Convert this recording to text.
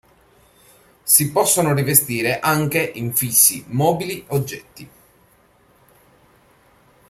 Si possono rivestire anche infissi, mobili, oggetti.